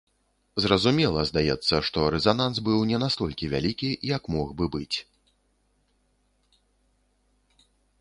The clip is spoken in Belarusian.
Зразумела, здаецца, што рэзананс быў не настолькі вялікі, як мог бы быць.